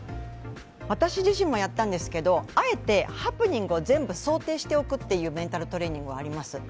私自身もやったんですけど、あえてハプニングを全部想定しておくというメンタルトレーニングもあります。